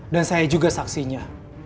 dan saya juga saksinya